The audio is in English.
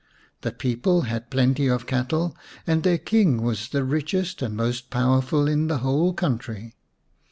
The people had plenty of cattle, and their King was the richest and most powerful in the whole country.